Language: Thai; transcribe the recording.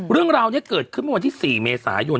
เรื่องราวนี้เกิดขึ้นเมื่อวันที่๔เมษายน